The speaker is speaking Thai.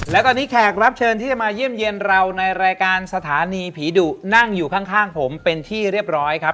และตอนนี้แขกรับเชิญที่จะมาเยี่ยมเยี่ยมเราในรายการสถานีผีดุนั่งอยู่ข้างผมเป็นที่เรียบร้อยครับ